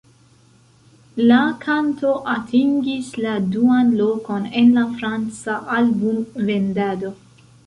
La kanto atingis la duan lokon en la franca album-vendado.